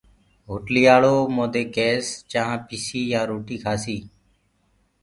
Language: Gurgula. هوٽلَيآݪو مودي ڪيس چآنه پيسي يآنٚ روٽيٚ کآسيٚ